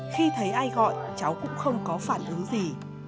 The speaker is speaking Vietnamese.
khi thấy ai gọi cháu cũng không có phản ứng gì